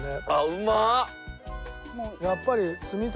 うまっ！